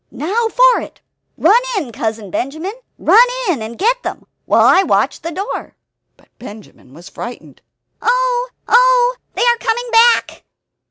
"Now for it! Run in, Cousin Benjamin! Run in and get them! while I watch the door." But Benjamin was frightened "Oh; oh! they are coming back!"